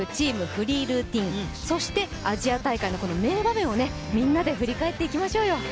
フリールーティン、そしてアジア大会の名場面をみんなで振り返っていきましょうよ。